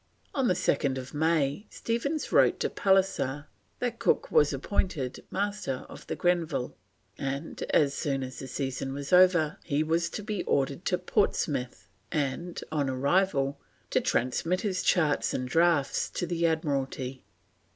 On 2nd May Stephens wrote to Pallisser that Cook was appointed Master of the Grenville, and as soon as the season was over he was to be ordered to Portsmouth, and on arrival to transmit his Charts and Draughts to the Admiralty.